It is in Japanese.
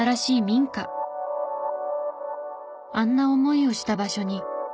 あんな思いをした場所に。